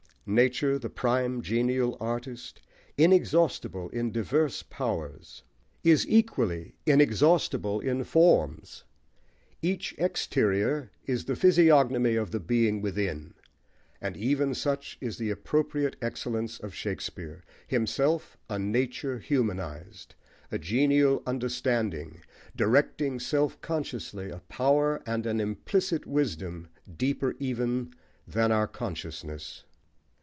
Nature, the prime, genial artist, inexhaustible in diverse powers, is equally inexhaustible in forms: each exterior is the physiognomy of the being within, and even such is the appropriate excellence of Shakespeare, himself a nature humanised, a genial understanding, directing self consciously a power and an implicit wisdom deeper even than our consciousness.